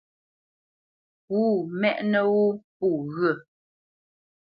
Pǔ mɛ́ʼnə́ wó pô ŋghyə̂.